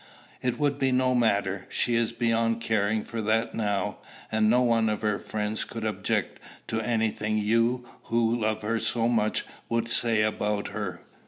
"It would be no matter. She is beyond caring for that now; and not one of her friends could object to any thing you who loved her so much would say about her."